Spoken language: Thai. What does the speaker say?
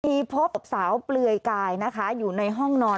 พบกับสาวเปลือยกายนะคะอยู่ในห้องนอน